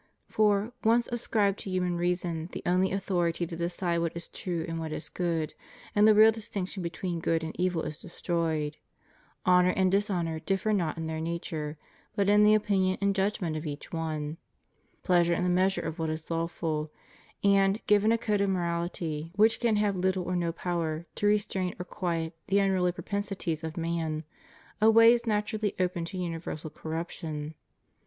For, once ascribe to human reason the only authority to decide what is true and what is good, and the real distinction between good and evil is destroyed; honor and dishonor differ not in their nature, but in the opinion and judg ment of each one; pleasure is the measure of what is lawful; and, given a code of moraUty which can have httle or no power to restrain or quiet the unruly propensities of man, a way is naturally opened to universal corruption.